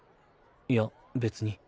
いや別に。